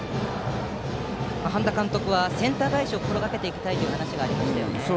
半田監督はセンター返しを心がけていきたいという話がありました。